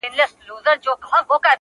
• صدقه دي تر تقوا او تر سخا سم.